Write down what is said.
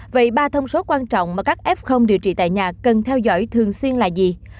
vậy ba thông số quan trọng mà các f điều trị tại nhà cần theo dõi thường xuyên là gì